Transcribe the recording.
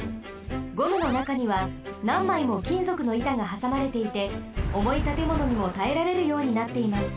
ゴムのなかにはなんまいもきんぞくのいたがはさまれていておもいたてものにもたえられるようになっています。